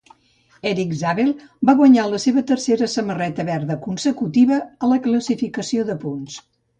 Erik Zabel va guanyar la seva tercera samarreta verda consecutiva a la classificació de punts.